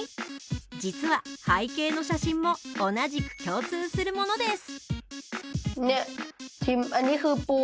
実は背景の写真も同じく共通するものです。